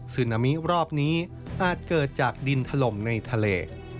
นามิรอบนี้อาจเกิดจากดินถล่มในทะเล